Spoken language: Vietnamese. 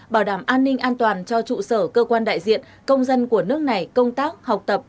bảo đảm an ninh an toàn cho trụ sở cơ quan đại diện công dân của nước này công tác học tập